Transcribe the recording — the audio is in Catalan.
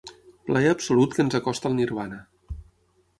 Plaer absolut que ens acosta al nirvana.